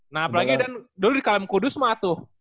nah apalagi dan dulu di kalim kudus mah tuh